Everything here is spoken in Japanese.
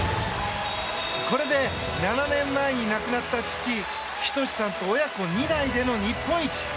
これで７年前に亡くなった父・仁さんと親子２代での日本一。